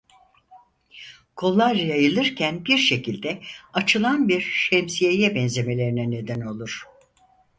Kollar yayılırken bir şekilde açılan bir şemsiyeye benzemelerine neden olur.